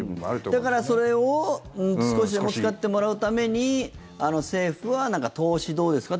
だから、それを少しでも使ってもらうために政府は投資どうですか？